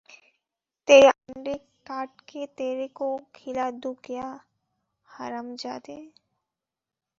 তেরি আন্ডে কাটকে তেরেকো খিলা দু কেয়া, হারামজাদে?